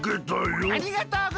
ありがとうございます！